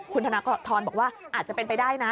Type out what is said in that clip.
คุณธนกรทรบอกว่าอาจจะเป็นไปได้นะ